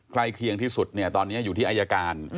เคียงที่สุดเนี่ยตอนนี้อยู่ที่อายการ